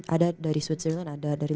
ada dari switching ada dari